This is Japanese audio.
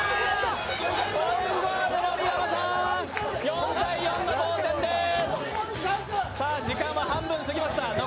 ４−４の同点です。